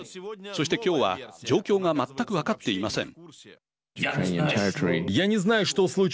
そして今日は状況が全く分かっていません。